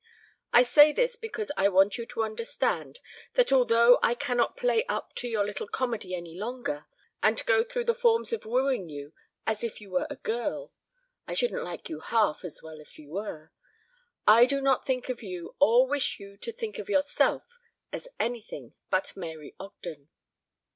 I say this because I want you to understand that although I cannot play up to your little comedy any longer and go through the forms of wooing you as if you were a girl I shouldn't like you half as well if you were I do not think of you or wish you to think of yourself as anything but Mary Ogden."